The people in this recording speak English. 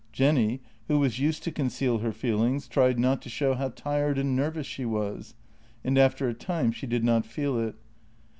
Jenny, who was used to conceal her feel ings, tried not to show how tired and nervous she was, and after a time she did not feel it.